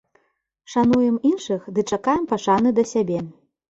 Шануем іншых ды чакаем пашаны да сябе.